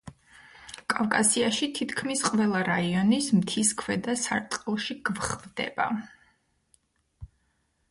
კავკასიაში თითქმის ყველა რაიონის მთის ქვედა სარტყელში გვხვდება.